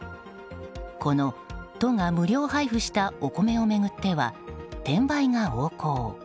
この都が無料配布したお米を巡っては転売が横行。